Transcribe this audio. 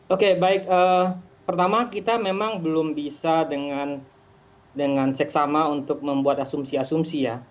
oke baik pertama kita memang belum bisa dengan seksama untuk membuat asumsi asumsi ya